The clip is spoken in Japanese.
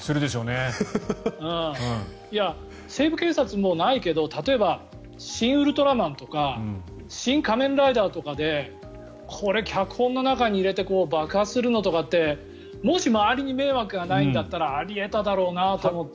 もうないけど例えば「シン・ウルトラマン」とか「シン・仮面ライダー」とかで脚本の中に入れて爆破するのとかって周りに迷惑がないんだったらあり得ただろうなと思って。